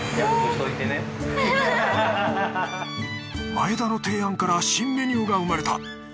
前田の提案から新メニューが生まれた！